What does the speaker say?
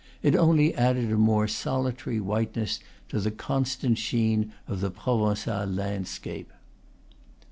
It only added a more solitary whiteness to the constant sheen of the Provencal landscape.